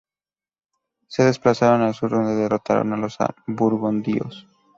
Se desplazaron al sur, donde derrotaron a los burgundios.